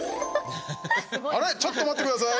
あれ、ちょっと待ってください。